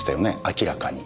明らかに。